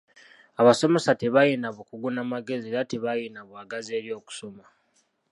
Abasomesa tebalina bukugu na magezi era tebalina bwagazi eri okusoma.